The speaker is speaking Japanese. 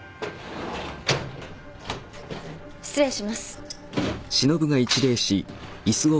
失礼します。